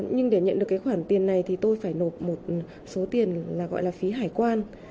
chỉ nhận được cái khoản tiền này thì tôi phải nộp một số tiền gọi là phí hải quan